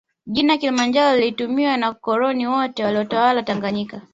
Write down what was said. Jina kilimanjaro lilitumia na wakoloni wote waliyotawala tanganyika